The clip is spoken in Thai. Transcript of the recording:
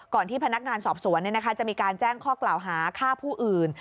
ที่พนักงานสอบสวนจะมีการแจ้งข้อกล่าวหาฆ่าผู้อื่น